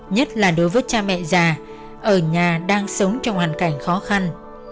nhất là đối với cha mẹ già ở nhà đang sống trong hoàn cảnh khó khăn